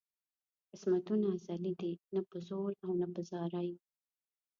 قسمتونه ازلي دي نه په زور او نه په زارۍ.